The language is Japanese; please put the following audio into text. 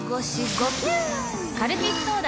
カルピスソーダ！